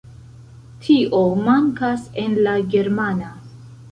Tio mankas en la germana.